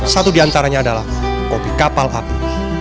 satu diantaranya adalah kopi kapal api